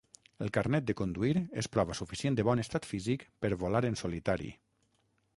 El carnet de conduir és prova suficient de bon estat físic per volar en solitari.